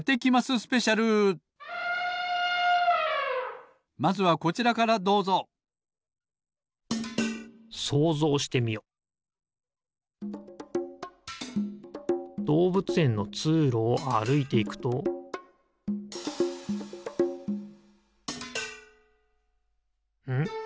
ほんじつはまずはこちらからどうぞどうぶつえんのつうろをあるいていくとん？